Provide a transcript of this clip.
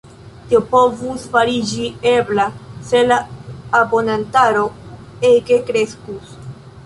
Tio povus fariĝi ebla, se la abonantaro ege kreskus.